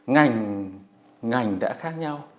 ngành ngành đã khác nhau